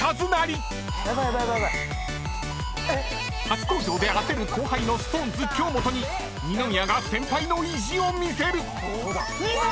［初登場で焦る後輩のＳｉｘＴＯＮＥＳ京本に二宮が先輩の意地を見せる！］